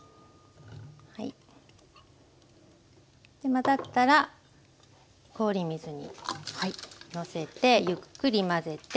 混ざったら氷水にのせてゆっくり混ぜて。